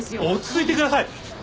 落ち着いてください！